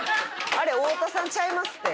あれ太田さんちゃいます